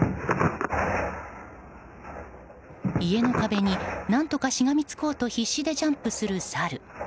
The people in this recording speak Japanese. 家の壁に何とかしがみつこうと必死でジャンプするサル。